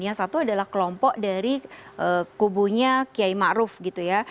yang satu adalah kelompok dari kubunya kiai ma'ruf gitu ya